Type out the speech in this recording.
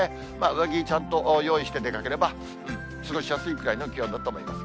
上着ちゃんと用意して出かければ、過ごしやすいくらいの気温だと思います。